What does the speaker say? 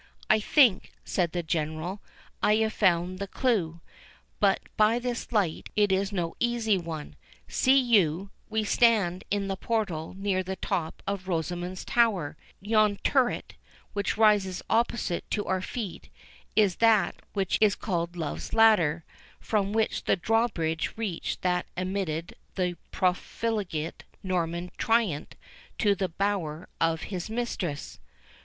"I think," said the General, "I have found the clew, but by this light it is no easy one! See you, we stand in the portal near the top of Rosamond's Tower; and yon turret, which rises opposite to our feet, is that which is called Love's Ladder, from which the drawbridge reached that admitted the profligate Norman tyrant to the bower of his mistress."